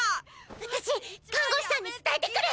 私看護師さんに伝えてくる！